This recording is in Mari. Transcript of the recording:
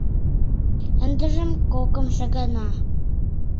Ындыжым — кокымшо гана.